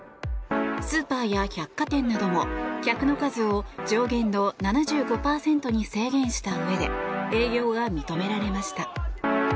スーパーや百貨店なども客の数を上限の７５％に制限したうえで営業が認められました。